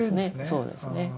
そうですね。